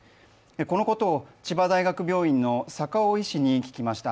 このことを千葉大学病院の坂尾医師に聞きました。